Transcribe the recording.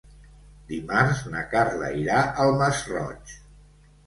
Dimarts na Carla irà al Masroig.